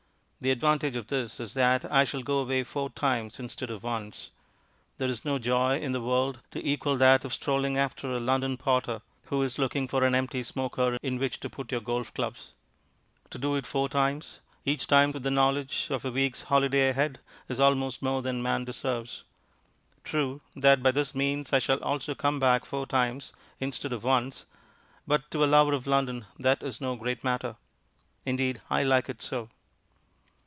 The advantage of this is that I shall go away four times instead of once. There is no joy in the world to equal that of strolling after a London porter who is looking for an empty smoker in which to put your golf clubs. To do it four times, each time with the knowledge of a week's holiday ahead, is almost more than man deserves. True that by this means I shall also come back four times instead of once, but to a lover of London that is no great matter. Indeed, I like it so.